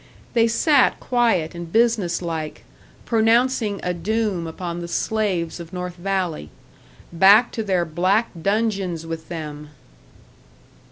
They sat quiet and business like, pronouncing a doom upon the slaves of North Valley. Back to their black dungeons with them!